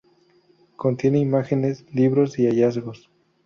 Contiene imágenes, libros y hallazgos.